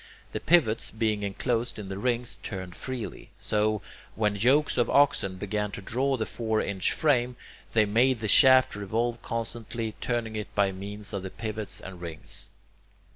The pivots, being enclosed in the rings, turned freely. So, when yokes of oxen began to draw the four inch frame, they made the shaft revolve constantly, turning it by means of the pivots and rings.